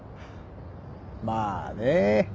まあね。